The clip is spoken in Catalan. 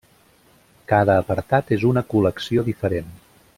Cada apartat és una col·lecció diferent.